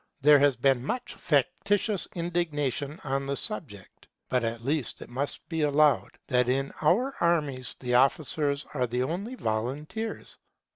There has been much factitious indignation on the subject, but at least it must be allowed, that in our armies the officers are the only volunteers.